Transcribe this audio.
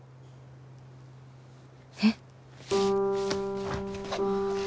えっ！？